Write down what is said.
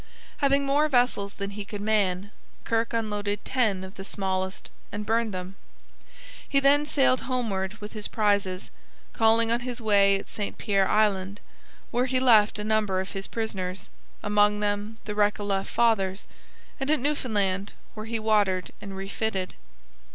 Having more vessels than he could man, Kirke unloaded ten of the smallest and burned them. He then sailed homeward with his prizes, calling on his way at St Pierre Island, where he left a number of his prisoners, among them the Recollet fathers, and at Newfoundland, where he watered and refitted.